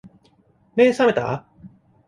目、さめた？